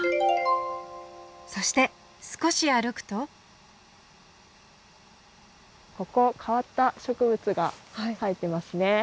そして少し歩くとここ変わった植物が生えてますね。